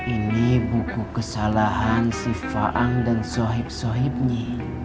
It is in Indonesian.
ini buku kesalahan si faang dan sohib sohibnya